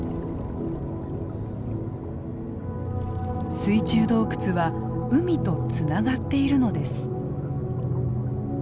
水中洞窟は海とつながっているのです。